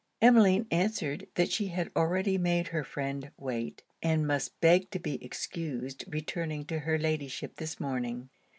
Emmeline answered that she had already made her friend wait, and must beg to be excused returning to her Ladyship this morning.